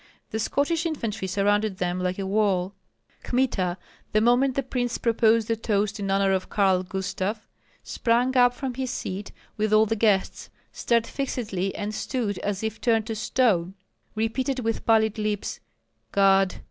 The Scottish infantry surrounded them like a wall. Kmita, the moment the prince proposed the toast in honor of Karl Gustav, sprang up from his seat with all the guests, stared fixedly and stood as if turned to stone, repeating with pallid lips, "God!